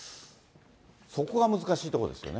そこが難しいところですよね。